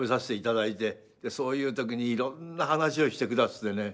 そういう時にいろんな話をしてくだすってね。